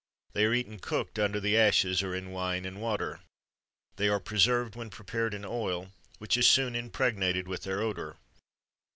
They are eaten cooked under the ashes, or in wine and water. They are preserved, when prepared in oil, which is soon impregnated with their odour.